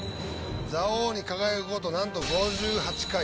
座王に輝く事なんと５８回。